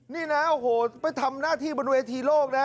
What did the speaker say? นี่นะโอ้โหไปทำหน้าที่บนเวทีโลกนะ